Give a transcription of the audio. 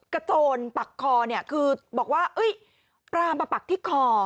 กระโจรปักคอคือบอกว่าปลามาปักที่คอ